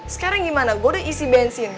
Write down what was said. sekarang gimana gue udah isi bensin